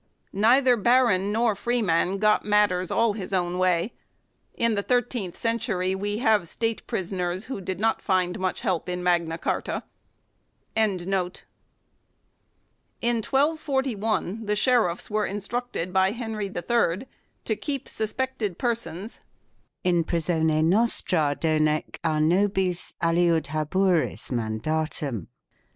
Neither baron nor freeman got matters all his own way. In the thirteenth century we have "state prisoners " who did not find much help in Magna Carta. In 1241 the sheriffs were instructed by Henry III to keep suspected persons " in prisone nostra donee a nobis aliud habueris mandatum